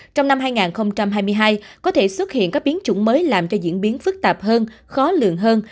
trong năm hai nghìn hai mươi hai có thể xuất hiện các biến chủng mới làm cho diễn biến phức tạp hơn khó lượng hơn